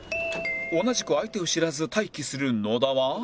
同じく相手を知らず待機する野田は